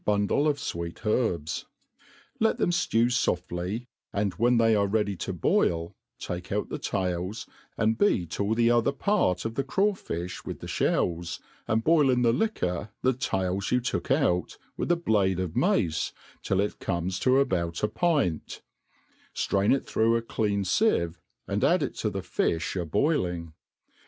ndle of fweet herbs ; let them flew foftly, and when they are ready to boil, take out the tai}s, and beat all the other part of the craw fi(h with the fhelis, and boil in the liquor the tails you took out, with a blade of mace, till it comes to about a pint, flrain it through a clean fieve, and add it to the fi(h a« boiliHi^.